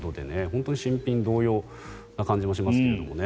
本当に新品同様な感じもしますけどもね。